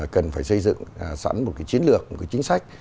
cần phải xây dựng sẵn một cái chiến lược một cái chính sách